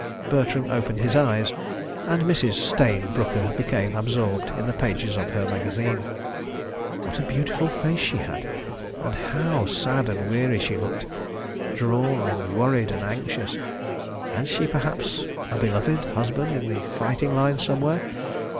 ... Bertram opened his eyes, and Mrs. Stayne Brooker became absorbed in the pages of her magazine. ... What a beautiful face she had, and how sad and weary she looked ... drawn and worried and anxious. ... Had she perhaps a beloved husband in the fighting line somewhere?